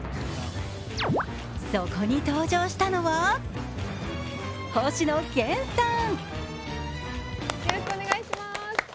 そこに登場したのは、星野源さん。